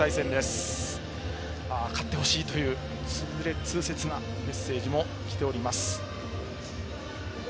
中日に勝ってほしいという痛切なメッセージも来ております。